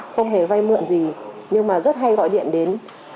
không hề vay mượn gì nhưng mà rất hay gọi điện đến